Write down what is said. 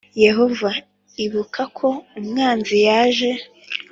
Yehova ibuka ko umwanzi yaje